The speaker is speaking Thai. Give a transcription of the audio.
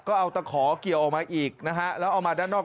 ก็เอาตะขอเกี่ยวออกมาอีกนะฮะแล้วเอามาด้านนอก